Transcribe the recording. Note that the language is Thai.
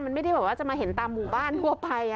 มันไม่ได้แบบว่าจะมาเห็นตามหมู่บ้านทั่วไป